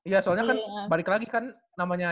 ya soalnya kan balik lagi kan namanya